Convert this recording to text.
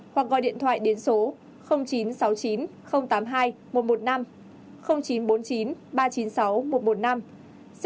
hoặc gọi điện thoại đến số chín trăm sáu mươi chín tám mươi hai một trăm một mươi năm chín trăm bốn mươi chín ba trăm chín mươi sáu một trăm một mươi năm